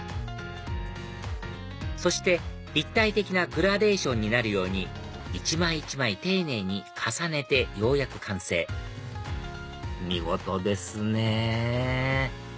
そして立体的なグラデーションになるように一枚一枚丁寧に重ねてようやく完成見事ですね